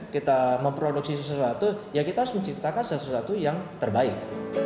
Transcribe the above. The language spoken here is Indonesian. kita memproduksi sesuatu ya kita harus menciptakan sesuatu yang terbaik